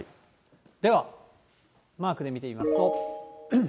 ではマークで見てみますと。